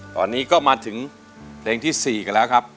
ตอนนี้ก็มาถึงเพลงที่๔กันแล้วครับ